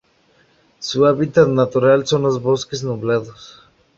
Su hábitat natural son los bosques nublados.